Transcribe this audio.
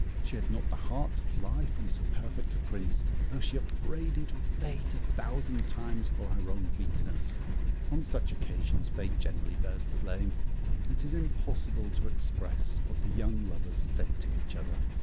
She had not the heart to fly from so perfect a prince, though she upbraided fate a thousand times for her own weakness. On such occasions fate generally bears the blame. It is impossible to express what the young lovers said to each other.